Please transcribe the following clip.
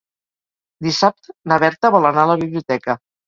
Dissabte na Berta vol anar a la biblioteca.